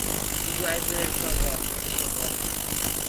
He graduated from the University of Waterloo.